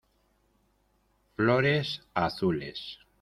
Flores azules.